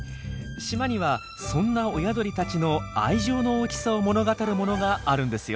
島にはそんな親鳥たちの愛情の大きさを物語るものがあるんですよ。